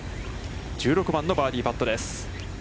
１６番のバーディーパットです。